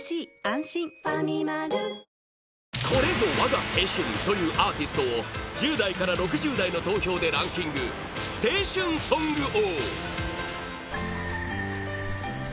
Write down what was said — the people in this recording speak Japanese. これぞ我が青春！というアーティストを１０代から６０代の投票でランキング、青春ソング王！